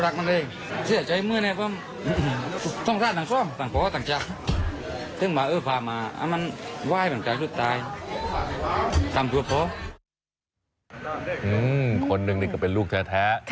คนหนึ่งนี่ก็เป็นลูกแท้